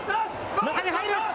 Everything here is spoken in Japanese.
中に入る。